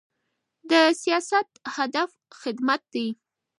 د سیاست هدف خدمت دی